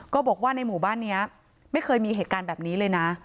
ก็บอกว่าในหมู่บ้านนี้ไม่เคยมีเหตุการณ์แบบนี้เลยนะ